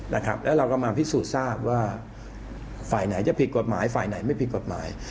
เราก็มาพิสูจน์ทว่าไข่ไหนจะผิดกฎหมายไข่ไหนไม่ผิดกฎหมาย